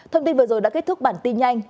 thông tin vừa rồi đã kết thúc bản tin nhanh